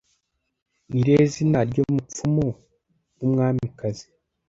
nirihe zina ryumupfumu wumwamikazi